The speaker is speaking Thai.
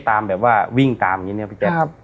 แบบว่าวิ่งตามอย่างนี้เนี่ยพี่แจ๊ค